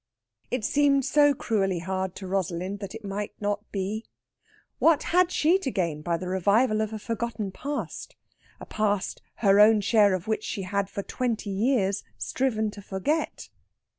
It seemed so cruelly hard to Rosalind that it might not be. What had she to gain by the revival of a forgotten past a past her own share of which she had for twenty years striven to forget?